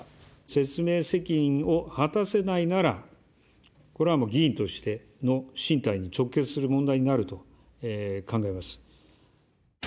説明責任を果たせないなら、これはもう議員としての進退に直結する問題になると考えます。